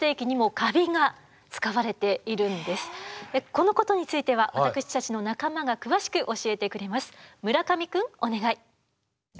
このことについては私たちの仲間が詳しく教えてくれます。